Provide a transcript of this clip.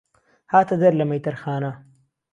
هاته دهر له مهيتەر خانه